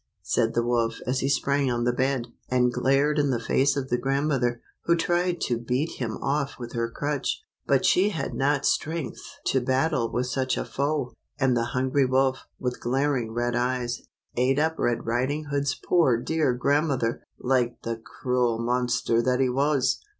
said the wolf as he sprang on the bed, and glared in the face of the grandmother, who tried to beat him off with her crutch. But she had not strength to battle with such a foe, and the hungry wolf, with glaring red eyes, ate up Red Riding Hood's poor dear grandmother, like the cruel monster that he was